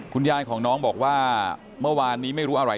คุณยายของน้องบอกว่าเมื่อวานนี้ไม่รู้อะไร